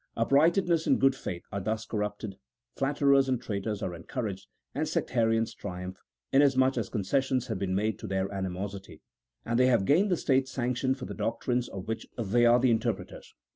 Uprightness and good faith are thus corrupted, flatterers and traitors are encouraged, and sectarians triumph, inas much as concessions have been made to their animosity, and they have gained the state sanction for the doctrines of which they are the interpreters.